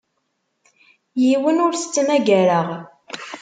Yiwen ur t-ttmagareɣ.